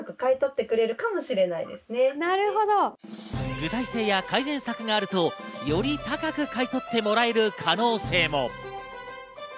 具体性や改善策があると、より高く買い取ってもらえる可能性も。